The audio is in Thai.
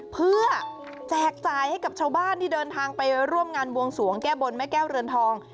เพื่อแจกจ่ายให้กับชาวบ้านที่เดินทางไปร่วมงานบวงสวงแก้บนแม่แก้วเรือนทอง